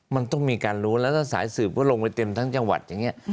มันต้องมีการรู้แล้วถ้าสายสืบก็ลงไปเต็มทั้งจังหวัดอย่างนี้